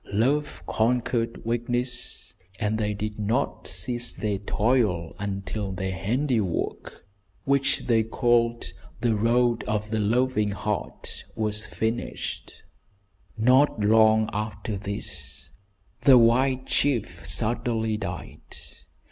Love conquered weakness, and they did not cease their toil until their handiwork, which they called "The Road of the Loving Heart," was finished. Not long after this the white chief suddenly died.